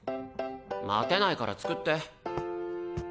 待てないから作って。